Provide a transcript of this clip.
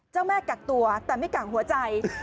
เจ้าแม่กักตัวแต่ไม่กักหัวใจ